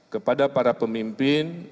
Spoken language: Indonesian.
kepada para pemimpin